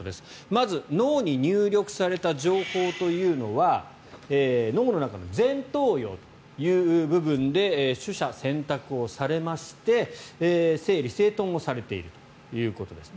まず脳に入力された情報というのは脳の中の前頭葉という部分で取捨選択されまして整理整頓をされているということです。